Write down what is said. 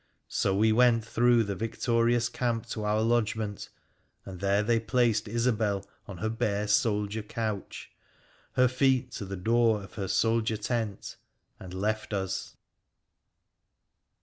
So we went through the victorious camp to our lodgment, and there they placed Isobel on her bare soldier couch, her feet to the door of her soldier tent, and left us.